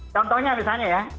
contohnya misalnya ya